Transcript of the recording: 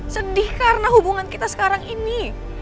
sedih karena hubungan kita sekarang ini